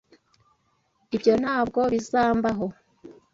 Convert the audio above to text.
Ibyo ntabwo bizambaho.